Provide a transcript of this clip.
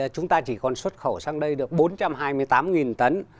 còn xuất khẩu sang đây được bốn trăm hai mươi tám tấn